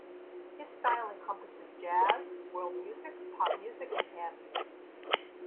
His style encompasses jazz, world music, pop music and ambient.